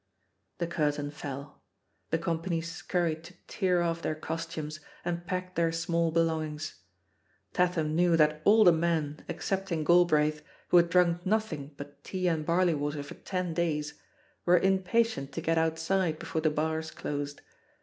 The curtain fell. The company scurried to tear off their costumes and pack their small be longings. Tatham knew that all the men, ex cepting Galbraith, who had drunk nothing but tea and barley water for ten days, were impatient to get outside before the bars closed.